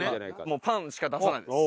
もう「パン」しか出さないです！